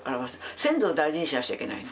先祖を大事にしなくちゃいけないの。